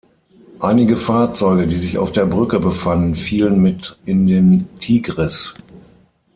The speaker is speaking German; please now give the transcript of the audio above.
Einige Fahrzeuge, die sich auf der Brücke befanden, fielen mit in den Tigris.